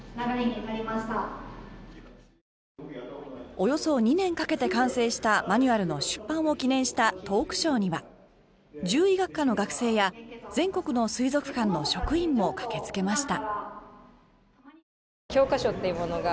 およそ２年かけて完成したマニュアルの出版を記念したトークショーには獣医学科の学生や全国の水族館の職員も駆けつけました。